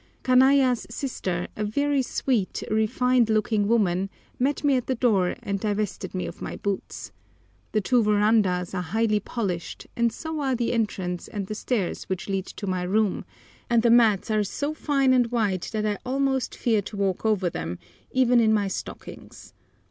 Kanaya's sister, a very sweet, refined looking woman, met me at the door and divested me of my boots. The two verandahs are highly polished, so are the entrance and the stairs which lead to my room, and the mats are so fine and white that I almost fear to walk over them, even in my stockings.